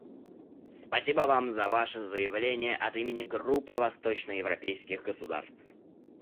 Спасибо Вам за Ваше заявление от имени Группы восточноевропейских государств.